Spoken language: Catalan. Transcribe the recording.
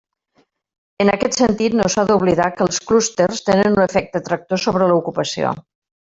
En aquest sentit no s'ha d'oblidar que els clústers tenen un efecte tractor sobre l'ocupació.